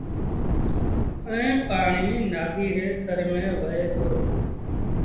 ائيٚݩ پآڻيٚ نآديٚ ري تر ميݩ وهي دو۔